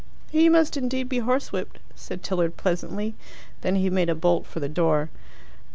"He must indeed be horsewhipped," said Tilliard pleasantly. Then he made a bolt for the door.